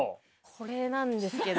これなんですけど。